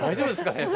先生。